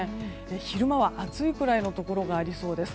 昼間は暑いくらいのところがありそうです。